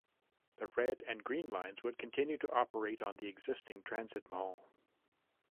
The Red and Green Lines would continue to operate on the existing transit mall.